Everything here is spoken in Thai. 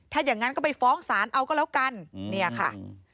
ถ้าอย่างนั้นก็ไปฟ้องศาลเอาก็แล้วกันเนี่ยค่ะ